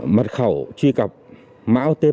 mật khẩu truy cập mạo tp cho người khác